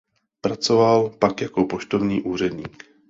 Pracoval pak jako poštovní úředník.